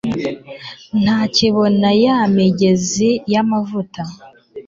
ntakibona ya migezi y'amavuta